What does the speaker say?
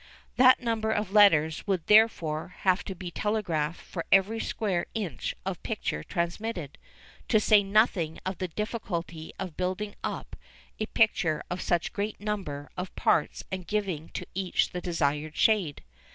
That number of letters would therefore have to be telegraphed for every square inch of picture transmitted, to say nothing of the difficulty of building up a picture of such a great number of parts and giving to each the desired shade.